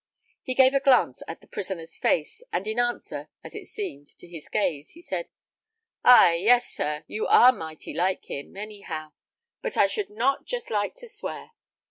He gave a glance at the prisoner's face, and in answer, as it seemed, to his gaze, he said, "Ay yes, sir, you are mighty like him, any how; but I should not just like to swear."